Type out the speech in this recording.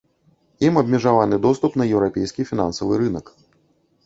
Ім абмежаваны доступ на еўрапейскі фінансавы рынак.